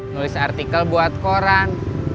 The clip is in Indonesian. nulis artikel buat koran